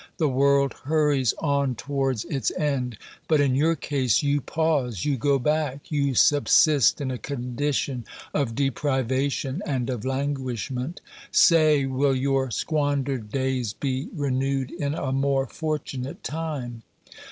The world hurries on towards its end, but, in your case, you pause, you go back, you subsist in a condition of deprivation and of languishment. Say, will your squandered days be renewed in a more fortunate time